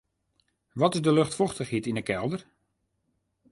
Wat is de luchtfochtichheid yn 'e kelder?